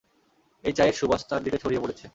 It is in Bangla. এই চায়ের সুবাস চারপাশে ছড়িয়ে পড়েছে।